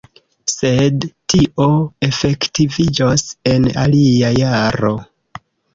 Sed tio efektiviĝos en alia jaro.